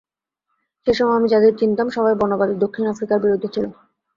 সে সময় আমি যাঁদের চিনতাম, সবাই বর্ণবাদী দক্ষিণ আফ্রিকার বিরুদ্ধে ছিল।